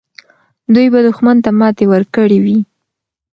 دوی به دښمن ته ماتې ورکړې وي.